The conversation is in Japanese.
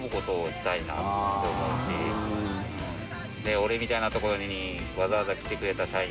俺みたいなところにわざわざ来てくれた社員。